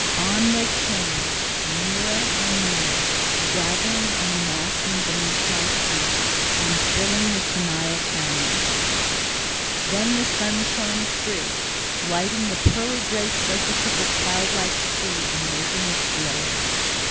On they came, nearer and nearer, gathering and massing beneath my feet and filling the Tenaya Cañon. Then the sun shone free, lighting the pearly gray surface of the cloud like sea and making it glow.